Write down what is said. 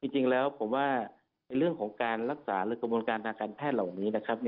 จริงแล้วผมว่าในเรื่องของการรักษาหรือกระบวนการทางการแพทย์เหล่านี้นะครับ